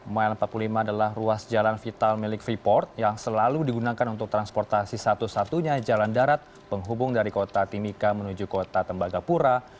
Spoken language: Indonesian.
mile empat puluh lima adalah ruas jalan vital milik freeport yang selalu digunakan untuk transportasi satu satunya jalan darat penghubung dari kota timika menuju kota tembagapura